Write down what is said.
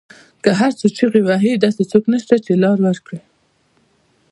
که هر څو چیغې وهي داسې څوک نشته، چې لار ورکړی